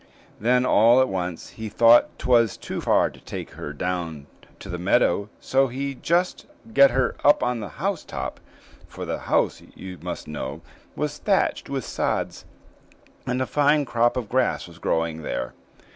Then all at once he thought 'twas too far to take her down to the meadow, so he'd just get her up on the housetop for the house, you must know, was thatched with sods, and a fine crop of grass was growing there.